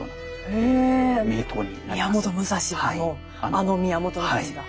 あの宮本武蔵が。